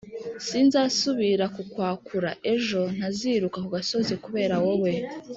sinzasubira kukwakura; ejo ntaziruka ku gasozi kubera wowe